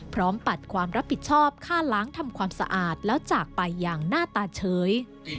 ปัดความรับผิดชอบฆ่าล้างทำความสะอาดแล้วจากไปอย่างหน้าตาเฉย